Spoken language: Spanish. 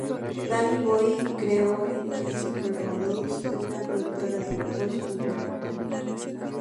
Danny Boy creó "X-Supermodels", una productora de grupos underground.